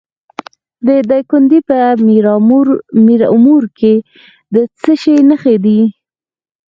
د دایکنډي په میرامور کې د څه شي نښې دي؟